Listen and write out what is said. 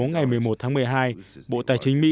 ngày một mươi một tháng một mươi hai bộ tài chính mỹ